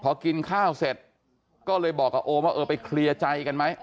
พอกินข้าวเสร็จก็เลยบอกกับโอมว่าเออไปเคลียร์ใจกันไหม